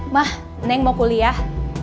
ma neng mau kuliah